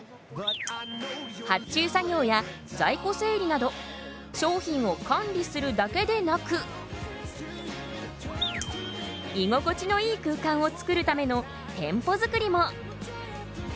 発注作業や在庫整理など商品を管理するだけでなく居心地のいい空間を作るための店舗づくりも。